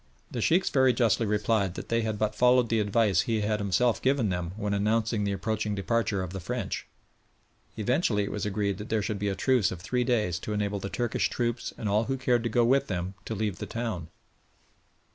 The Sheikhs very justly replied that they had but followed the advice he had himself given them when announcing the approaching departure of the French. Eventually it was agreed that there should be a truce of three days to enable the Turkish troops and all who cared to go with them to leave the town.